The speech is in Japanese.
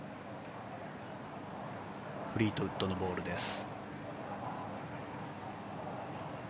フリートウッドのボールです。